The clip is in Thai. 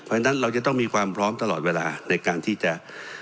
เพราะฉะนั้นเราจะต้องมีความพร้อมตลอดเวลาในการที่จะ